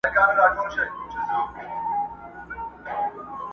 یو پاچا د پښتنو چي ډېر هوښیار وو!!